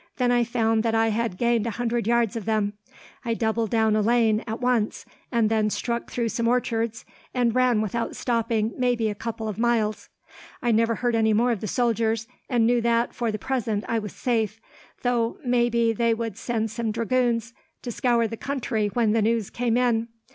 Then I found that I had gained a hundred yards of them. I doubled down a lane, at once, and then struck through some orchards; and ran, without stopping, maybe a couple of miles. "I never heard any more of the soldiers, and knew that, for the present, I was safe, though maybe they would send some dragoons to scour the country when the news came in.